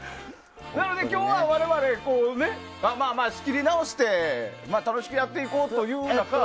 なので、今日は我々仕切り直して楽しくやっていこうというか。